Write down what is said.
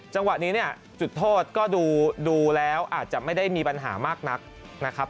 จังหวะนี้เนี่ยจุดโทษก็ดูแล้วอาจจะไม่ได้มีปัญหามากนักนะครับ